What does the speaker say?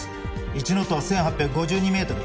１ノットは１８５２メートル。